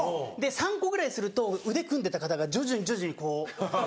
３個ぐらいすると腕組んでた方が徐々に徐々にこう。